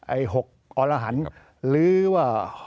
ไอ้๖อรหันหรือว่า